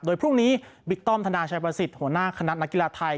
โดยพรุ่งนี้บิ๊กป้อมธนาชัยประสิทธิ์หัวหน้าคณะนักกีฬาไทย